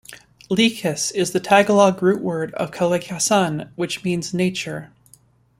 Likas is the Tagalog rootword of "kalikasan" which means nature.